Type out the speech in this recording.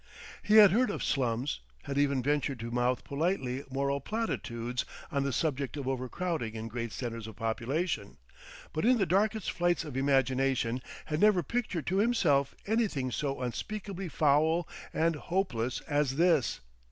He had heard of slums, had even ventured to mouth politely moral platitudes on the subject of overcrowding in great centers of population, but in the darkest flights of imagination had never pictured to himself anything so unspeakably foul and hopeless as this....